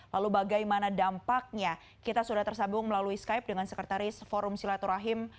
lalu bagaimana dampaknya kita sudah tersambung melalui skype dengan sekretaris forum silaturahim